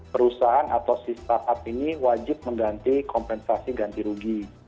perusahaan atau si startup ini wajib mengganti kompensasi ganti rugi